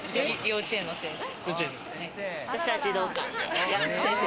幼稚園の先生。